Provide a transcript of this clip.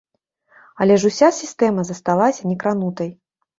Але ж уся сістэма засталася некранутай.